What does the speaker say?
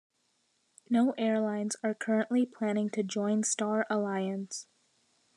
No airlines are currently planning to join Star Alliance.